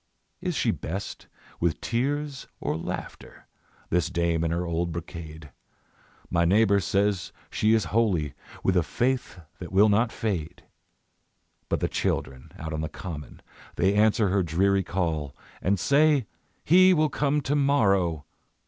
Is she best with tears or laughter, This dame in her old brocade? My neighbour says she is holy, With a faith that will not fade. But the children out on the common They answer her dreary call, And say: "He will come to morrow!"